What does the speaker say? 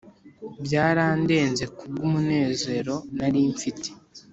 Byarandenze kubwo umunezero narimfite